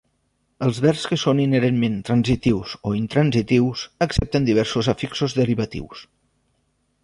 Els verbs que són inherentment transitius o intransitius accepten diversos afixos derivatius.